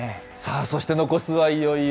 そして残すはいよいよ。